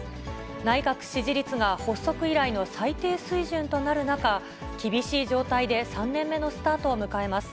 内閣支持率が発足以来の最低水準となる中、厳しい状態で３年目のスタートを迎えます。